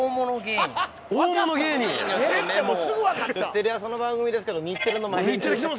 テレ朝の番組ですけど日テレの前に来て。